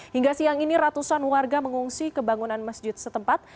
hingga siang ini ratusan warga mengungsi kebangunan masjid setempat